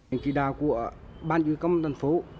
hành kỳ đào của ban dưới công an phố